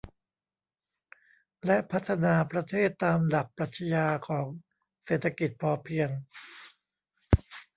และพัฒนาประเทศตามหลักปรัชญาของเศรษฐกิจพอเพียง